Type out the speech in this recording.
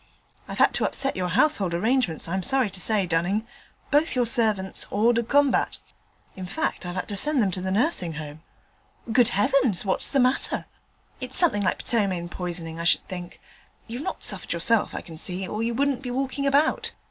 'I've had to upset your household arrangements, I'm sorry to say, Dunning. Both your servants hors de combat. In fact, I've had to send them to the Nursing Home.' 'Good heavens! what's the matter?' 'It's something like ptomaine poisoning, I should think: you've not suffered yourself, I can see, or you wouldn't be walking about.